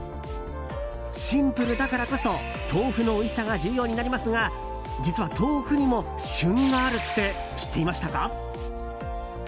シンプルだからこそ、豆腐のおいしさが重要になりますが実は、豆腐にも旬があるって知っていましたか？